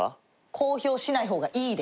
公表しない方がいいで。